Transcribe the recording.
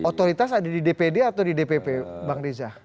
otoritas ada di dpd atau di dpp bang reza